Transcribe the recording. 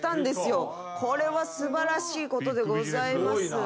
これは素晴らしいことでございます。